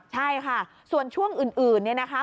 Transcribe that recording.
ใช่ค่ะส่วนช่วงอื่นเนี่ยนะคะ